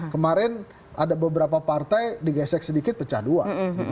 kemarin ada beberapa partai digesek sedikit pecah dua